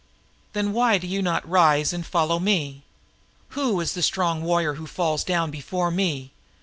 "Then why do you not rise and follow me? Who is the strong warrior who falls down before me?"